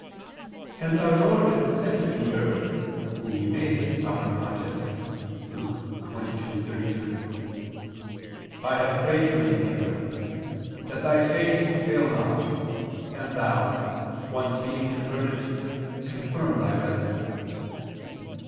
Hence our Lord said to Peter whom he made Sovereign Pontiff (Luke 22:32): "I have prayed for thee," Peter, "that thy faith fail not, and thou, being once converted, confirm thy brethren."